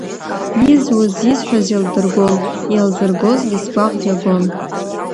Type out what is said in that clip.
Изуз, исҳәаз еилдыргон, еилзыргозгьы сгәаӷ иагон.